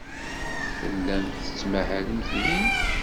Tellamt tettmahalemt din.